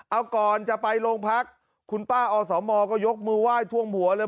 เอาก่อนจะไปโรงพักคุณป้าอสมก็ยกมือไหว้ท่วมหัวเลย